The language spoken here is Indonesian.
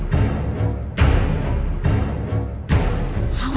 kau tuh yang bangun